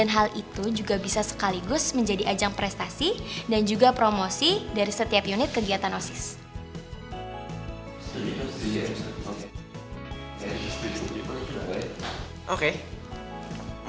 nah jadi uang dari siswa akan kembali lagi kepada siswa melalui hadiah dari lomba lomba sederhana yang diselenggarakan dari setiap siswa